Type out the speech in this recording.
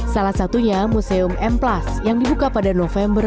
salah satunya museum m yang dibuka pada november dua ribu dua puluh satu